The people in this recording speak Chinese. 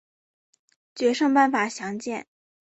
决胜办法详见。